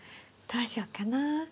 どうしよっかな？